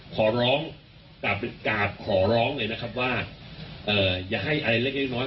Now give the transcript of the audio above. ขอร้องขอร้องเลยนะครับว่าเอ่ออย่าให้อะไรเล็กเล็กน้อย